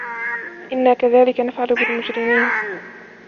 إِنَّا كَذَلِكَ نَفْعَلُ بِالْمُجْرِمِينَ